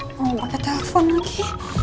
aduh mau pake telepon lagi